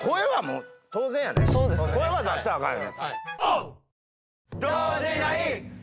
声は出したらあかんよ。